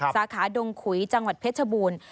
สาขาดงขุยจังหวัดเพชรบูรณ์